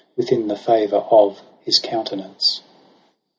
Within the favour of his countenance.